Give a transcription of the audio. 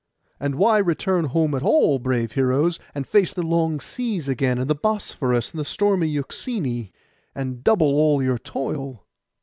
And why return home at all, brave heroes, and face the long seas again, and the Bosphorus, and the stormy Euxine, and double all your toil?